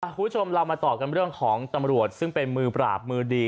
คุณผู้ชมเรามาต่อกันเรื่องของตำรวจซึ่งเป็นมือปราบมือดี